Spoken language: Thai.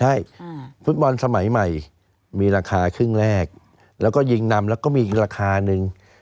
ใช่ฟุตบอลสมัยใหม่มีราคาครึ่งแรกแล้วก็ยิงนำแล้วก็มีอีกราคาหนึ่ง